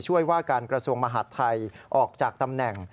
ว่าการกระทรวงมหาดไทยออกจากตำแหน่ง